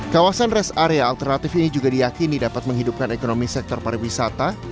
kawasan rest area alternatif ini juga diakini dapat menghidupkan ekonomi sektor pariwisata